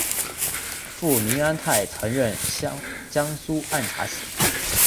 父明安泰曾任江苏按察使。